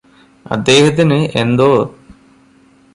അദ്ദേഹത്തിന് എന്തോ